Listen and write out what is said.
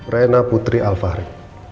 rena putri alfahri